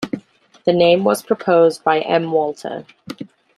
The name was proposed by M. Walter.